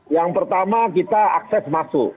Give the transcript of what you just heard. yang pertama kita akses masuk